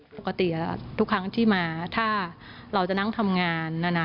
ปกติทุกครั้งที่มาถ้าเราจะนั่งทำงานนะนะ